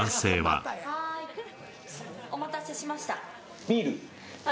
お待たせしました。